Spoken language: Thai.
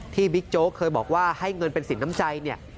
บิ๊กโจ๊กเคยบอกว่าให้เงินเป็นสินน้ำใจเนี่ย